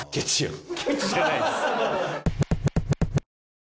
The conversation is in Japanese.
ケチじゃないです！